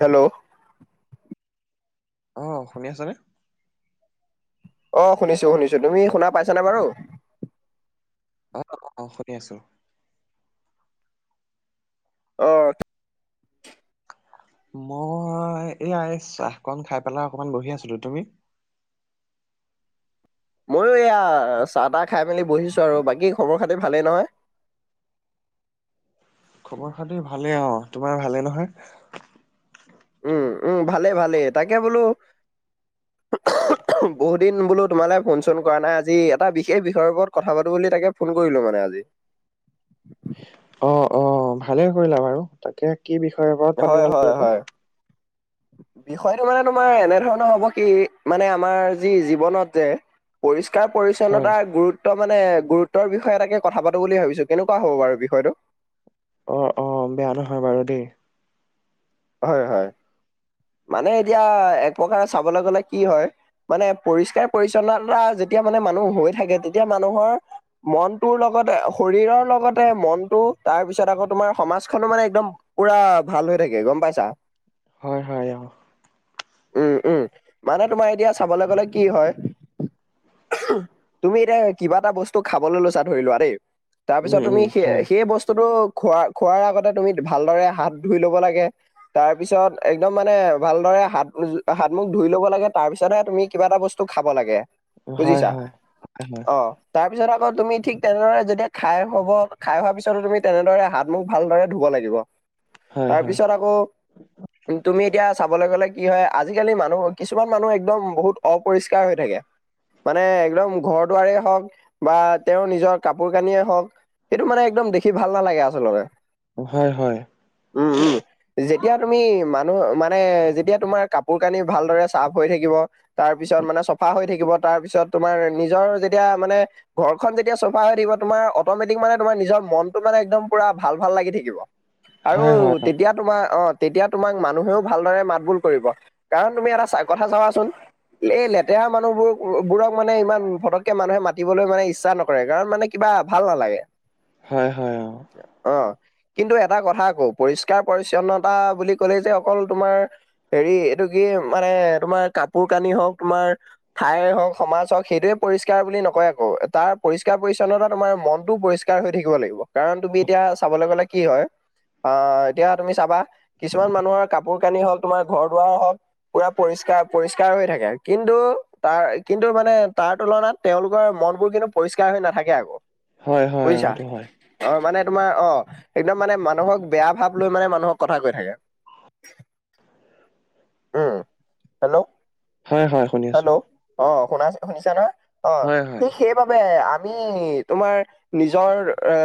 Hello. অহ, শুনি আছনে? অহ, শুনিছোঁ শুনিছো। তুমি শুনা পাইছানে বাৰু? অহ', অহ', অহ' শুনি আছোঁ। অহ' [unintelligible] মই এই আই চাহকন খাই পেলাই অকনমান বহি আছিলোঁ। তুমি? মইয়ো এয়া চাহ-তাহ খাই মেলি বহিছোঁ আৰু। বাকী খবৰ খাতি ভালেই নহয়? খবৰ খাটি ভালে আৰু। তোমাৰ ভালেই নহয়? উম', উম' ভালেই ভালেই তাকে বোলো বহুত দিন বোলো তোমালে ফোন-চোন কৰা নাই, আজি এটা বিশেষ বিষয়ৰ ওপৰত কথা পাতো বুলি তাকে ফোন কৰিলোঁ মানে আজি। অহ', অহ' ভালে কৰিলা বাৰু তাকে কি বিষয়ে বা হয়, হয়, হয়। বিষয়টো মানে তোমাৰ এনে ধৰণৰ হ'ব কি, মানে আমাৰ যি জীৱনত যে পৰিষ্কাৰ হয়। পৰিচ্ছন্নতা গুৰুত্ব গুৰুত্ব মানে গুৰুত্বৰ বিষয় এটাকে কথা পাতোঁ বুলি ভাবিছোঁ। কেনেকুৱা হ'ব বাৰু বিষয়টো? অহ', অহ'। বেয়া নহয় বাৰু দেই। হয়, হয়্ মানে এতিয়া এক প্ৰকাৰে চাবলৈ গ'লে কি হয়। মানে পৰিষ্কাৰ পৰিচ্ছন্নতা যেতিয়া মানে মানুহ হৈ থাকে, তেতিয়া মানুহৰ মনটোৰ লগতে, শৰীৰৰ লগতে মনটো তাৰপিছত আকৌ তোমাৰ সমাজখনো মানে একদম পুৰা ভাল হৈ থাকে গম পাইছা? হয়, হয়, অহ। উম', উম'। মানে তোমাৰ এতিয়া চাবলৈ গ'লে কি হয়। তুমি এতিয়া কিবা এটা বস্তু খাবলৈ লৈছা ধৰিলোৱা দেই। উম তাৰপিছত উম তুমি হয়। সেই-সেই বস্তুটো খোৱা-খোৱাৰ আগতে তুমি ভালদৰে হাত ধুই ল'ব লাগে। তাৰপিছত একদম মানে ভালদৰে হাত, হাত-মুখ ধুই ল'ব লাগে তাৰপিছতহে তুমি কিবা এটা বস্তু খাব লাগে হয় বুজিছা, হয়। হয় হয়। অহ। তাৰ পিছত আকৌ তুমি ঠিক তেনেদৰে যেতিয়া খাই হব খাই হোৱা পিছতো তুমি তেনেদৰে হাত ত মোক ভালদৰে ধুব লাগিব হয় তাৰ হয়। পিছত আকৌ তুমি এতিয়া চাবলৈ গ'লে কি হয় আজিকালি মানুহ কিছুমান মানুহ একদম বহুত অপৰিষ্কাৰ হৈ থাকে। মানে একদম ঘৰ দুৱাৰ হওক, বা তেওঁৰ নিজৰ কাপোৰ কানিয়ে হওক সেইটো মানে একদম দেখি ভাল নালাগে আচলতে। হয়, হয়। উম, উম। যেতিয়া তুমি মানুহ মানে যেতিয়া তোমাৰ কাপোৰ কানি ভালদৰে চাফ হৈ থাকিব। তাৰ পিছত মানে চফা হৈ থাকিব তাৰ পিছত তোমাৰ নিজৰ যেতিয়া মানে ঘৰখন যেতিয়া চফা হৈ থাকিব তোমাৰ অটমেটিক মানে তোমাৰ নিজৰ মনটো মানে একদম পুৰা ভাল ভাল লাগি থাকিব। আৰু হয় হয়। তেতিয়া তোমাৰ অ' তেতিয়া তোমাক মানুহেও ভালদৰে মাত বোল কৰিব কাৰণ তুমি এটা কথা চাবাচোন এই লেতেৰা মানুহবোৰ বোৰক মানে ইমান ফটককে মানুহে মাতিবলৈ মানে ইচ্ছা নকৰে কাৰণ মানে কিবা ভাল নালাগে। হয়, হয় অ'। অ' কিন্তু এটা কথা আকৌ পৰিষ্কাৰ পৰিচ্ছন্নতা বুলি কলে যে অকল তোমাৰ হেৰি এইটো কি মানে তোমাৰ কাপোৰ কানি হওক তোমাৰ ঠাই হওক সমাজ হওক সেইটোৱে পৰিষ্কাৰ বুলি নকয় আকৌ তাৰ পৰিষ্কাৰ পৰিচ্ছন্নতা তোমাৰ মনটোও পৰিষ্কাৰ হৈ থাকিব লাগিব কাৰণ তুমি এতিয়া চাবলৈ গ'লে কি হয় আহ এতিয়া তুমি চাবা কিছুমান মানুহৰ কাপোৰ কানি হওক তোমাৰ ঘৰ দুৱাৰ হওক পুৰা পৰিষ্কাৰ পৰিষ্কাৰ হৈ থাকে কিন্তু তাৰ কিন্তু মানে তাৰ তুলনাত তেওঁলোকৰ মন বোৰ কিন্তু পৰিষ্কাৰ হৈ নাথাকে আকৌ। হয় হয় অঁ বুজিছা, সেইটো হয়। অ' মানে তোমাৰ অ' একদম মানে মানুহক বেয়া ভাৱ লৈ মানে মানুহক কথা কৈ থাকে। উম, হেল্ল'? হয়, হয়, শুনি আছো। হেল্ল' অ' শুনাছে শুনিছো নহয় অ' হয় হয়। সেইবাবে আমি তোমাৰ নিজৰ এ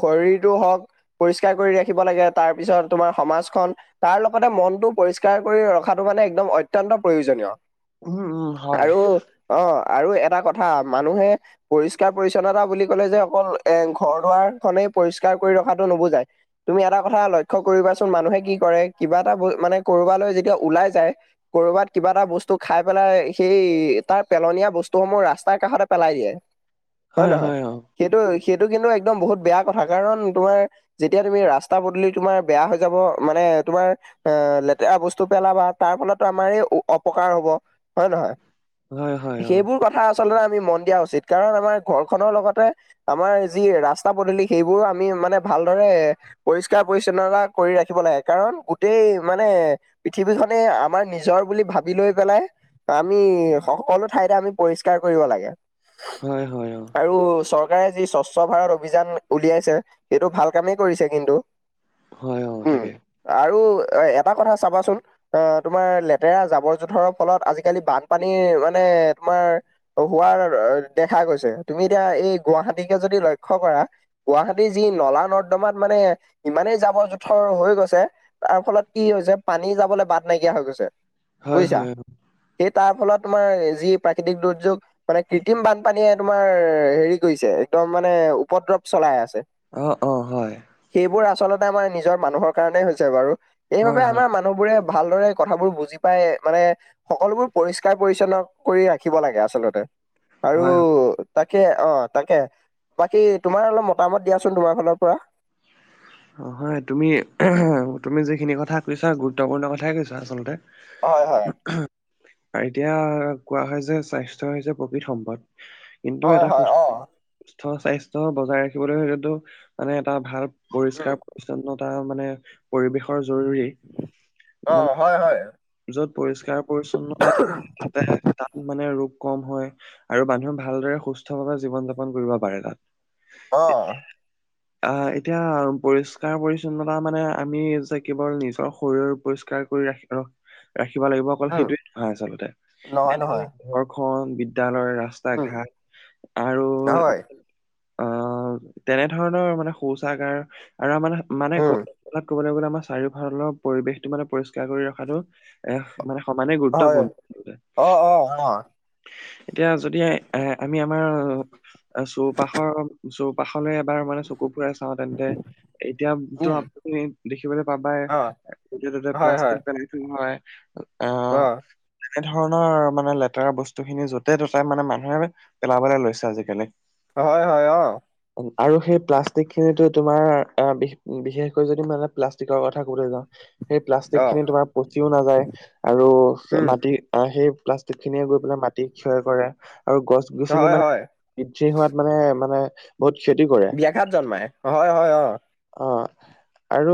শৰীৰটো হওক পৰিষ্কাৰ কৰি ৰাখিব লাগে তাৰপিছত তোমাৰ সমাজখন তাৰ লগতে মনটো পৰিষ্কাৰ কৰি ৰখাটো মানে একদম অত্তন্ত প্ৰয়োজনীয়। উম উম হয়। আৰু অ' আৰু এটা কথা মানুহে পৰিষ্কাৰ পৰি্ছন্নতা বুলি কলে যে অকল এ ঘৰ দুৱাৰ খনেই পৰিষ্কাৰ কৰি ৰখাতটো নুবুজায়। তুমি এটা কথা লয়ক্ষ কৰিবাচোন মানুহে কি কৰে কিবা এটা মানে কৰবালৈ যেতিয়া ওলাই যায় কৰবাত কিবা এটা বস্তু খাই পেলাই সেই তাৰ পেলনীয়া বস্তুসমূহ ৰাস্তাৰ কাষতে পেলাই দিয়ে। [unintelligible] হয়ে হয় নহয় হয় অঁ। সেইটো সেইটো কিন্তু একদম বহুত বেয়া কথা কাৰণ তোমাৰ যেতিয়া তুমি ৰা টা বদূলি তোমাৰ বেয়া হৈ যাব মানে তোমাৰ এ লেতেৰা বস্তু পেলাবা তাৰ ফলতো আমাৰ এই অপকাৰ হ'ব হয় নহয়। হয় হয় অঁ। সেইবোৰ কথা আচলতে আমি মন দিয়া উচিত কাৰণ আমাৰ ঘৰখনৰ লগতে আমাৰ যি ৰাস্তা পদূলি সেইবোৰ আমি মানে ভালদৰে পৰিষ্কাৰ পৰিচ্ছন্নতা কৰি ৰাখিব লাগে কাৰণ গোটেই মানে পৃথিৱীখনে আমাৰ নিজৰ বুলি ভাবি লৈ পেলাই আমি সকলো ঠাইতে আমি পৰিষ্কাৰ কৰিব লাগে। হয়, হয়, হয়। আৰু চৰকাৰে যি স্বচ্ছ ভাৰত অভিযান উলিয়াইছে সেইটো ভাল কামেই কৰিছে কিন্তু। হয়, অ' উম, তাকে। আৰু এটা কথা চাবাচোন আহ তোমাৰ লেতেৰা জাবৰ জোঁথৰৰ ফলত আজিকালি বানপানীৰ মানে তোমাৰ হোৱাৰ দেখা গৈছে তুমি এতিয়া এই গুৱাহাটীকে যদি লক্ষ্ কৰা গুৱাহাটীৰ যি নলা নৰ্দমাত মানে ইমানেই জাবৰ জোথৰ হৈ গৈছে তাৰ ফলত কি হৈছে পানী যাবলৈ বাট নাইকিয়া হৈ গৈছে হয় বুজিছা হয় সেই তাৰ ফলত তোমাৰ যি প্ৰাকৃতিক দুৰ্যোগ মানে কৃত্ৰিম বানপানীয়ে তোমাৰ হেৰি কৰিছে একদম মানে উপদ্ৰৱ চলাই আছে অ অ অ হয় সেইবোৰ আচলতে আমাৰ নিজৰ মানুহৰ কাৰণে হৈছে বাৰু হয় এইবাবে আমাৰ হয় মান মানুহ বোৰে ভালদৰে কথাবোৰ বুজি পাই মানে সকলোবোৰ পৰিষ্কাৰ পৰিচ্ছন্ন কৰি ৰাখিব লাগে আচলতে আৰু তাকে অ তাকে বাকী তোমাৰ অলপ মতামত দিয়াচোন তোমাৰ ঘনৰ পৰা অ হয় তুমি তুমি যিখিনি কথা কৈছা গুৰুত্বপূৰ্ণ কথাই কৈছা আচলতে হয় হয় আৰু এতিয়া কোৱা হয় যে স্বাস্থ্যয় হৈছে প্ৰকৃত সম্পদ কিন্তু হয় এটা সু হয় অ'। সুস্থ স্বাস্থ্্য বজাই ৰাখিবলৈ হয়তটো মানে এটা ভাল উম, পৰিষ্কাৰ পৰি্ছন্নতা মানে পৰিৱেশৰ জৰুী অ হয় হয় য'ত পৰিষ্কাৰ পৰিচ্ছন্নতা থ তাতে তাত মানে ৰোগ কম হয় আৰু মানুহ ভালদৰে সুস্থ ভাৱে জীৱন যাপন কৰিব পাৰে তাত অ অ এতিয়া পৰিষ্কাৰ পৰি্ছন্নতা মানে আমি যে কেৱল নিজৰ শৰীৰৰ পৰিষ্কাৰ কৰি ৰাখি আহ ৰাখিব উম, লাগিব অকল সেইটোোৱে নহয় আচল্ততে এ ঘৰখনন বিদ্যয়ালয়ৰ উম, ৰাস া ঘাট আৰু [inaudible] তেনে ধৰণৰ মানে শৌচাগাৰ আৰু আমাৰ উম, মানোত কবলৈ গলে আমাৰ চাৰিওফালৰ পৰিৱেশটো মানে পৰিষ্কাৰ কৰি ৰখাতটো এ মানে সমানেই হয়। গুৰুত্বপূৰ্ণ অ' অ' অ'। এতিয়া যদি এ আমি আমাৰ চৌপাশৰ চৌপাশলৈ এবাৰ মানে চকু ফুৰে চাওঁ তেন্তে এতিয়া তো উম, আপুনি দেখিবলৈ অ' পাবাইতে হয় হয়। প্লাষ্টিক পান হয় আহ অ' এনে ধৰণৰ মানে লেতেৰা বস্তু খিনি য'তে ত'তে মানে মানুহে পেলাবলৈ লৈছে আজিিকালি হয় হয় অ আৰু সেই প্লাষ্টিক খিনিো তোমাৰ বিশেষকৈ যদি মানে প্লা পলািক কথা কব যাওঁ সেই প্লাষ্টিক খিনি অ' তোমাৰ পচিও নাযায় আৰু উম, মাটি আহ সেই প্লাষ্টিক খিনিয়ে গৈ পেলাই মাটি ক্ষয় কৰে আৰু গছ গছনি হয় মানে হয়। পি হোৱাত মানে মানে বহুত খেতি কৰে বিয়াাঘাত জন্মাই হয় হয় অ অ আৰু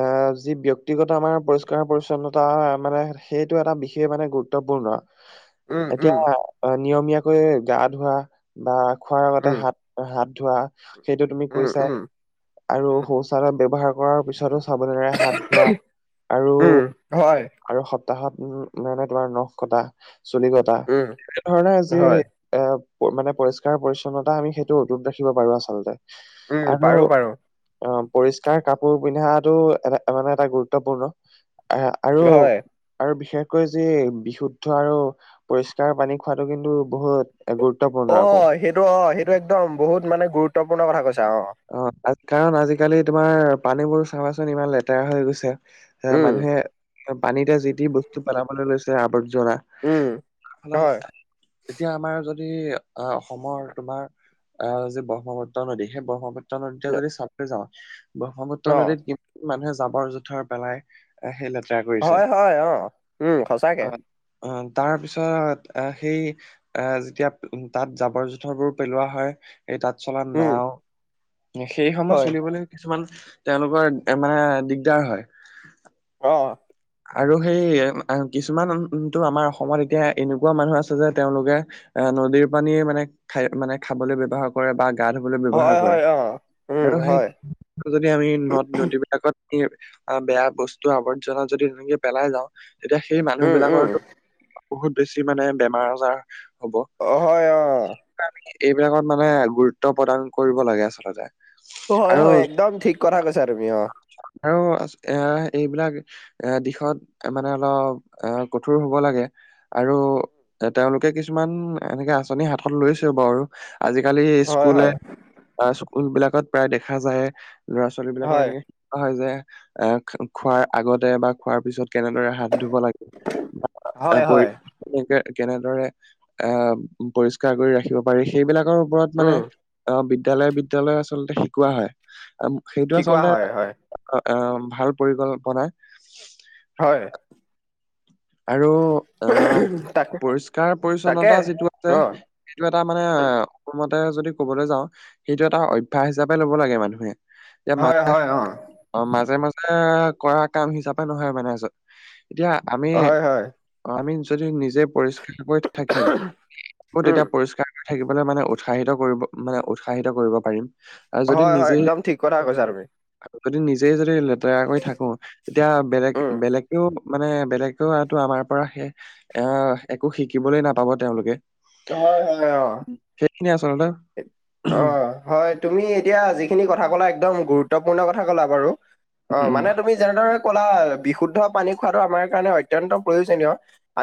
এ যি ব্য্য়ক্তিগত আমাৰ পৰিষ্কাৰ পৰিচ্ চন্নতা মানে সেইটো এটা বিশেষ মানে গুৰুত্বপূৰ্ণ উম উম এতিয়া নিয়মীয়াকৈ গা ধোৱা বা খোৱাৰ আগতে উম হাত হাত ধোৱা সেইটো তুমি উম কৈছাই উম আৰু উম শৌচালয় ব্যৱহাৰ কৰাৰ পিছতো চাবনেৰে হাত ধোৱা আৰু উম হয় আৰু সপ্তাহত ম মানে তোমাৰ নখ কটা চুলি কটা উম এনে ধৰণৰ আজি হয় এ মানে পৰিষ্কাৰ পৰিচ্ছন্নতা আমি সেইটো অটুত ৰাখিব পাৰো আচলতে উম আৰু পাৰো পাৰো অ পৰিষ্কাৰ কাপোৰ পিন্ধাটো এটা মানে এটা গুৰুত্বপূৰ্ণ আৰু হয় আৰু বিশেষকৈ যি বিশুদ্ধ আৰু পৰিষ্কাৰ পানী খোৱাটো কিন্তু বহুত এ অ গুৰুত্বপূৰ্ণ আকৌ। সেইটো হয়, সেইটো একদম বহুত মানে গুৰুত্বপূৰ্ণ কথা কৈছা অ', অ'। অ', কাৰণ আজিকালি তোমাৰ পানীবোৰ চাবাচোন, ইমান লেতেৰা হৈ গৈছে। হেয়া উম মানুহে পানীতে যি টি বস্তু পেলাবলৈ লৈছে, আৱৰ্জনা। উম ভাল লাগা হয় না [unintelligible] এতিয়া আমাৰ যদি আহ, অসমৰ তোমাৰ আহ, যি ব্ৰহ্মপুত্ৰ নদী সেই ব্ৰহ্ম পুত্ৰ নদীতো যদি চাবলৈ যাওঁ, অ ব্ৰহ্মপুত্ৰ নদীত কিমান মানুহে জাবৰ-জোথৰ পেলায়। সেই লেতেৰা ক হয়, হয়, অ', উম, সঁচাকে। অ', তাৰপিছত আহ! সেই এ যেতিয়া তাত জাবৰ-জোথৰবোৰ পেলোৱা হয়, এই তাত চলা উম নাওঁ সেই সময়ত হয় চলিবলৈ কিছুমান, তেওঁলোকৰ মানে দিগদাৰ হয়। অ'। আৰু সেই কিছুমানটো আমাৰ অসমত এতিয়া এনেকুৱা মানুহ আছে যে তেওঁলোকে আহ! নদীৰ পানীয়ে মানে খাই মানে খাবলৈ ব্যৱহাৰ কৰে বা গাঁ ধুবলৈ ব্যৱহাৰ হয় কৰে। হয় অ উম আৰু সেই হয় যদি আমি নদ-নদীবিলাকত বেয়া বস্তু আৱৰ্জনা যদি তেনেকে পেলাই যাওঁ, তেতিয়া সেই মানুহ উম উম বিলাকৰটো বহুত বেছি মানে বেমাৰ-আজাৰ হ'ব। অ', হয়, অ'। এইবিলাকত মানে গুৰুত্ব প্ৰদান কৰিব লাগে, আচলতে। অ', হয়, আৰু হয়, একদম ঠিক কথা কৈছা তুমি অ'। আৰু এয়া এইবিলাক এ দিশত মানে অলপ এ কঠোৰ হ'ব লাগে। আৰু এ তেওঁলোকে কিছুমান এনেকে আঁচনি হাতত লৈছে বাৰু। আজিকালি হয় স্কুলে হয় আহ! স্কুল বিলাকত প্ৰায় দেখা যায় ল'ৰা-ছোৱালী বিলাকৰ হয় এনেকে শিকোৱা হয় যে এ [unintelligible] খোৱাৰ আগতে বা খোৱাৰ পিছত কেনেদৰে হাত ধুব লাগে, তাৰ হয় উপৰি হয় কেনেকে, কেনেদৰে আহ! পৰিষ্কাৰ কৰি ৰাখিব পাৰি, সেইবিলাকৰ ওপৰত মানে উম আহ! বিদ্যালয়, বিদ্যালয় আচলতে শিকোৱা হয়। সেইটো শিকোৱা আচলতে হয় হয় এ ভাল পৰিকল্পনা। হয়। আৰু আহ! তাকে তাকে পৰিষ্কাৰ-পৰিচ্ছন্নতা যিটো আছে অ সেইটো এটা মানে উম, মোৰ মতে যদি কবলৈ যাওঁ সেইটো এটা অভ্যাস হিচাপে ল'ব লাগে মানুহে। এতিয়া হয় [unintelligible] হয় অ অ', মাজে-মাজে কৰা কাম হিচাপে নহয় মানে আচল। এতিয়া আমি হয় হয় অ', আমি যদি নিজে পৰিষ্কাৰকৈ থাকিম, [unintelligible] উম তেতিয়া পৰিষ্কাৰ থাকিবলৈ মানে উৎসাহিত কৰিব মানে, উৎসাহিত কৰিব পাৰিম। যদি হয়, হয়, নিজেই একদম ঠিক কথা কৈছা তুমি। আৰু যদি নিজেই যদি লেতেৰাকৈ থাকোঁ তেতিয়া বেলেগ, উম বেলেগেও মানে বেলেগেওটো আমাৰ পৰা সে এয়া একো শিকিবলৈ নাপাব তেওঁলোকে। হয়, হয়, অ'। সেইখিনিয়ে আচলতে। অ'। হয়, তুমি এতিয়া যিখিনি কথা ক'লা, একদম গুৰুত্বপূৰ্ণ কথা ক'লা বাৰু! অ', উম, উম, মানে তুমি যেনেদৰে ক'লা বিশুদ্ধ পানী খোৱাটো আমাৰ কাৰণে অত্যন্ত প্ৰয়োজনীয়।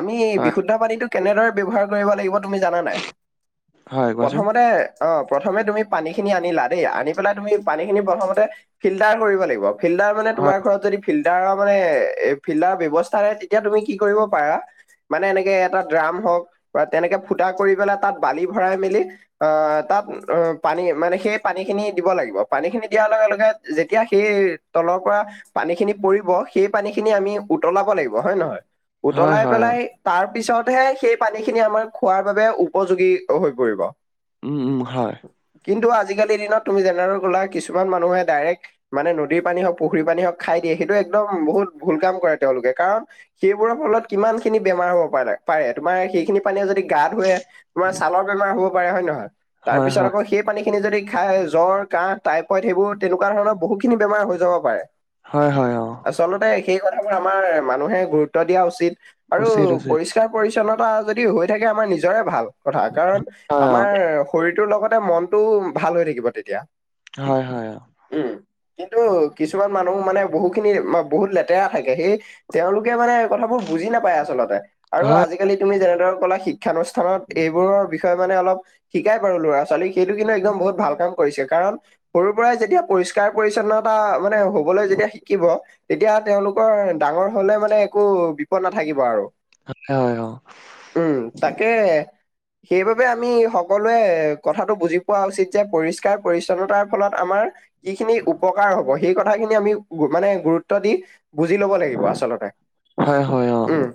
আমি হয়, বিশুদ্ধ পানীটো কেনেদৰে ব্যৱহাৰ কৰিব লাগিব, তুমি জানানে নাই? হয়, কোৱাঁচোন। [unintelligible] অ', প্ৰথমে তুমি পানীখিনি আনিলা দেই, আনি পেলাই তুমি পানীখিনি প্ৰথমতে ফিল্টাৰ কৰিব লাগিব ফিল্টাৰ মানে তোমাৰ হয়, ঘৰত যদি ফিল্টাৰৰ মানে এ ফিল্টাৰ ব্যৱস্থা নাই তেতিয়া তুমি কি কৰিব পাৰা মানে এনেকে এটা ড্ৰাম হওক বা তেনেকে ফুটা কৰি পেলাই তাত বালি ভৰাই মেলি আহ তাত অ পানী মানে সেই পানী খিনি দিব লাগিব পানীখিনি দিয়াৰ লগে লগে যেতিয়া সেই তলৰ পৰা পানী খিনি পৰিব সেই পানী খিনি আমি উতলাব লাগিব হয় নহয়? হয়, উতলাই হয়, অ। পেলাই তাৰ পিছতহে সেই পানী খিনি আমাৰ খোৱাৰ বাবে উপযোগী হৈ পৰিব উম' হয়। কিন্তু আজিকালি দিনত তুমি যেনেকৈ কলা কিছুমান মানুহে ডাইৰেক্ট মানে নদীৰ পানী হওক পুখুৰীৰ পানী হওক খাই দিয়ে সেইটো একদম বহুত ভুল কাম কৰে তেওঁলোকে কাৰণ সেইবোৰৰ ফলত কিমান খিনি বেমাৰ হ'ব পাৰে পাৰে তোমাৰ সেইখিনি পানীয়ে যদি গা ধুৱে তোমাৰ ছালৰ বেমাৰ হব পাৰে হয় নহয় তাৰ হয়, পিছত হয়, আকৌ সেই পানী খিনি যদি খাই জ্বৰ, কাহ, টাইফইড সেইবোৰ তেনেকুৱা ধৰণৰ বহুত খিনি বেমাৰ হৈ যাব পাৰে হয় হয় হয় অ'। আচলতে সেই কথাবোৰ আমাৰ মানুহে গুৰুত্ব দিয়া উচিত আৰু উচিত, উচিত, পৰি পৰিচ্ছন্নতা যদি হৈ থাকে আমাৰ নিজৰে ভাল কথা কাৰণ হয়, অ, আমাৰ শৰীৰটোৰ লগতে মনটো ভাল হৈ থাকিব তেতিয়া। হয় হয় অ'। উম কিন্তু কিছুমান মানুহ মানে বহুখিনি বহুত লেতেৰা থাকে সেই তেওঁলোকে মানে এই কথাবোৰ বুজি নাপায় আচলতে আৰু আজি হয়, আজিকালি তুমি যেনেদৰে কলা শিক্ষানুষ্ঠানত এইবোৰৰ বিষয়ে মানে অলপ শিকাই বাৰু ল'ৰা ছোৱালীক সেইটো কিন্তু একদম বহুত ভাল কাম কৰিছে কাৰণ সৰুৰ পৰাই যেতিয়া পৰিস্কাৰ পৰিচ্ছন্নতা মানে হবলৈ যেতিয়া শিকিব তেতিয়া তেওঁলোকৰ ডাঙৰ হলে মানে একো বিপদ নাথাকিব আৰু হয় হয় হয়। উম তাকে সেইবাবে আমি সকলোৱে কথাটো বুজি পোৱা উচিত যে পৰিষ্কাৰ পৰিচ্ছন্নতাৰ ফলত আমাৰ কি খিনি উপকাৰ হব সেই কথাখিনি আমি মানে গুৰুত্ব দি বুজি ল'ব লাগিব আচলতে হয় হয়। অ, উম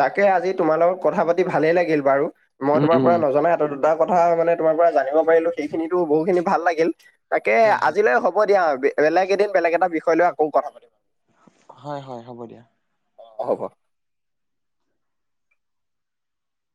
তাকে আজি তোমাৰ লগত কথা পাতি ভালেই লাগিল বাৰু মই উম, তোমাৰ উম, পৰা নজনা এটা কথা মানে তোমাৰ পৰা জানিব পাৰিলো সেইখিনিতো বহু খিনি ভাল লাগিল তাকে হয়, হয়, আজিলে হ'ব হ'ব দিয়া বেলেগ এদিন বেলেগ এটা বিষয় লৈ আকৌ কথা পাতিম হয় হয় হ'ব দিয়া। হ'ব।